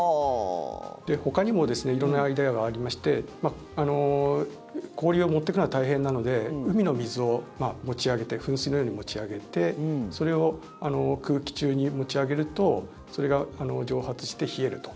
ほかにも色んなアイデアがありまして氷を持っていくのは大変なので海の水を持ち上げて噴水のように持ち上げてそれを空気中に持ち上げるとそれが蒸発して冷えると。